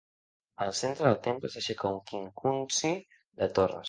Al centre del temple s'aixeca un quincunci de torres.